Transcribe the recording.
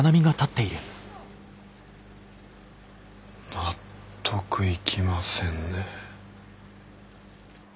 納得いきませんね。